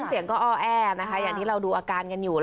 พงศ์เสียงก็อ้อแอแนนะคะอย่างที่เราดูอาการอยู่แหละ